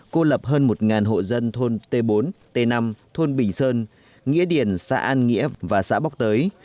cô lập hơn một hộ dân thôn t bốn t năm thôn bình sơn nghĩa điền xã an nghĩa và xã bắc tới